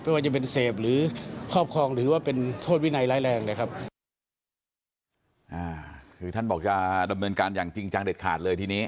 ไม่ว่าจะเป็นเสพหรือครอบครองหรือว่าเป็นโทษวินัยร้ายแรงนะครับ